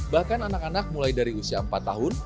bahkan anak anak mulai dari usia empat tahun